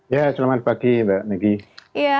ya selamat pagi mbak megi